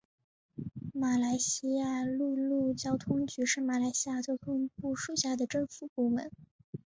马来西亚陆路交通局是马来西亚交通部属下的政府部门。